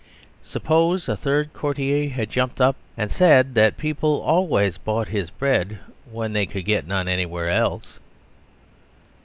Suppose a third courtier had jumped up and said that people always bought his bread when they could get none anywhere else.